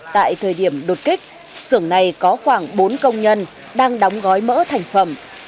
tại thời điểm đột kích xưởng này có khoảng bốn công nhân đang đóng gói mỡ thành phẩm